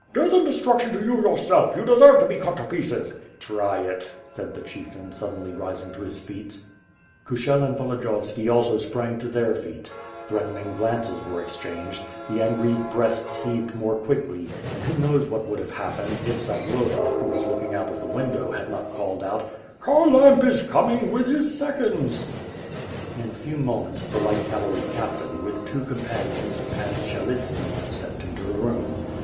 'T)eath and destruction to you yourself! You deserve to be cut to pieces." "Try itl said the chieftain, suddenly rising to his feet 552 WITH FIRE AND SWORD, Kushel and YolodiyovBki also sprang to their feet; threat ening glances were exchanged; the angry breasts heaved more quickly; and who knows what would have happened, if Zag loba, who was looking out of the window, had not called out: ^TKharlamp is coming, with his seconds/^ "In a few moments, the light cavalry captain, with two companions. Pans Syelitski stepped into the room.